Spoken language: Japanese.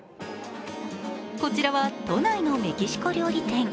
こちらは都内のメキシコ料理店。